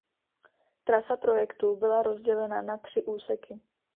Trasa projektu byla rozdělena na tři úseky.